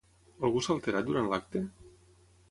Algú s'ha alterat durant l'acte?